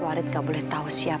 meruang voleiji teman teman